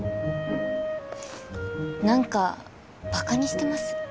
何かバカにしてます？